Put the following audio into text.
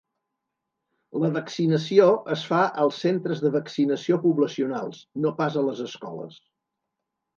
La vaccinació es fa als centres de vaccinació poblacionals, no pas a les escoles.